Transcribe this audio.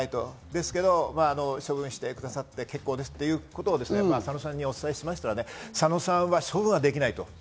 ですけど、処分してくださって結構ですということをサノさんにお伝えしましたら、サノさんは処分できないと。